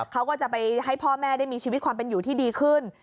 เขาก็จะไปให้พ่อแม่ได้มีชีวิตความเป็นอยู่ที่ดีขึ้น